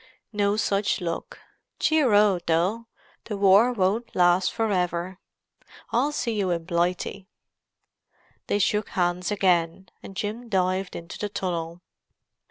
"No such luck. Cheero, though: the war won't last for ever. I'll see you in Blighty." They shook hands again, and Jim dived into the tunnel.